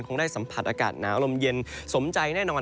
คงได้สัมผัสอากาศหนาวลมเย็นสมใจแน่นอน